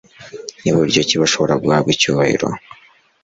Ni buryo ki bashobora guhabwa icyubahiro